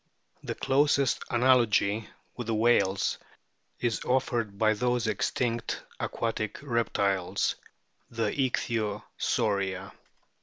The closest analogy with the whales is offered by those extinct aquatic reptiles, the Ichthyosauria.